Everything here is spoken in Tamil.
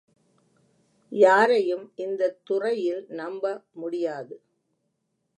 யாரையும் இந்தத் துறையில் நம்பமுடியாது.